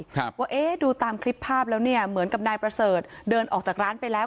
ว่าเอ๊ะดูตามคลิปภาพแล้วเนี่ยเหมือนกับนายประเสริฐเดินออกจากร้านไปแล้ว